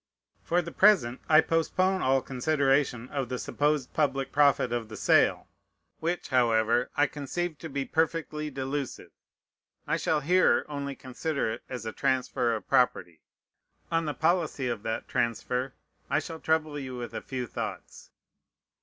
For the present I postpone all consideration of the supposed public profit of the sale, which, however, I conceive to be perfectly delusive. I shall here only consider it as a transfer of property. On the policy of that transfer I shall trouble you with a few thoughts.